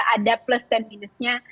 ada plus dan minusnya